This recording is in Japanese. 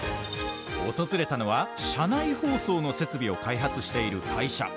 訪れたのは車内放送の設備を開発している会社。